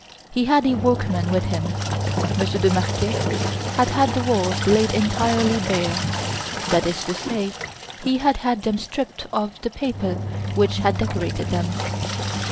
He had a workman with him. Monsieur de Marquet had had the walls laid entirely bare; that is to say, he had had them stripped of the paper which had decorated them.